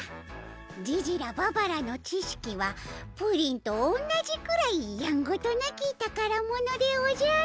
ジジらババらのちしきはプリンとおんなじぐらいやんごとなきたからものでおじゃる。